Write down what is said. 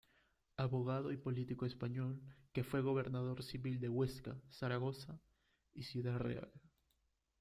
Abogado y político español que fue Gobernador Civil de Huesca, Zaragoza y Ciudad Real.